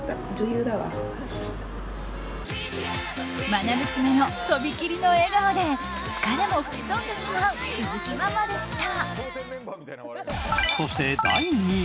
愛娘のとびきりの笑顔で疲れも吹き飛んでしまう鈴木ママでした。